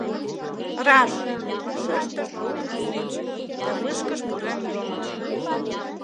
— Раш, — вашештышт кок разведчик да вышкыш пурен йомыч.